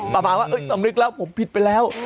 ประมาณว่าสำนึกแล้วผมผิดไปแล้ว